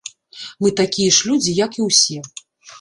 Мы такія ж людзі, як і ўсе.